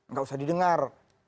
nggak usah didengar